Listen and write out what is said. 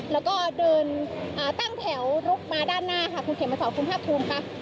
แล้วก็เดินตั้งแถวลุกมาด้านหน้าค่ะคุณเขมสอนคุณภาคภูมิค่ะ